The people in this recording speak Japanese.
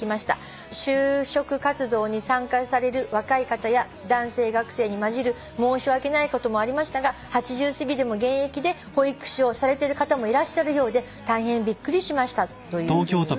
「就職活動に参加される若い方や男性学生に交じる申し訳ないこともありましたが８０すぎでも現役で保育士をされてる方もいらっしゃるようで大変びっくりしました」というふうに。